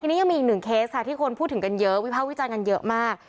ทีนี้ยังมีอีกหนึ่งเคสค่ะที่คนพูดถึงกันเยอะวิภาควิจารณ์กันเยอะมาก